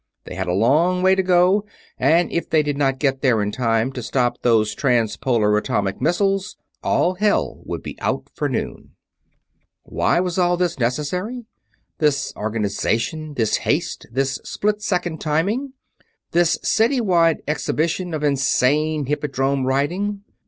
They had a long way to go; and if they did not get there in time to stop those trans polar atomic missiles, all hell would be out for noon. Why was all this necessary? This organization, this haste, this split second timing, this city wide exhibition of insane hippodrome riding?